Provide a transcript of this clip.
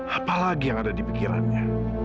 apa lagi yang ada di pikirannya